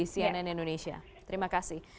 cnn indonesia terima kasih